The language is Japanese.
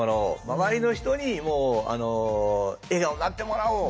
周りの人にも笑顔になってもらおう。